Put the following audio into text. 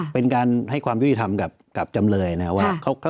เป็นการให้ความยุติธรรมกับจำเลยนะครับว่า